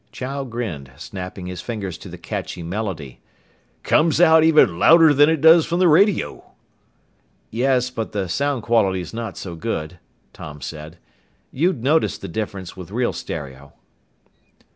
Chow grinned, snapping his fingers to the catchy melody. "Comes out even louder'n it does from the radio!" "Yes, but the sound quality's not so good," Tom said. "You'd notice the difference with real stereo."